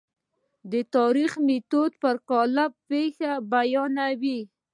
د تاریخي میتود پر قالب پېښې بیانوي.